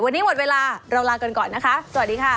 วันนี้หมดเวลาเราลากันก่อนนะคะสวัสดีค่ะ